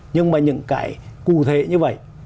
nhưng mà những cái cụ thể như vậy